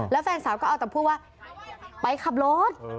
แล้วแฟนสาวก็เอาแต่พูดว่าไปขับรถ